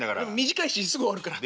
短いしすぐ終わるから。